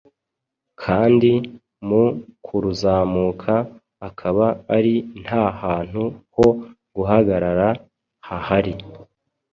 kandi mu kuruzamuka akaba ari nta hantu ho guhagarara hahari.